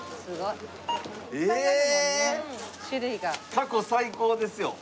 過去最高です。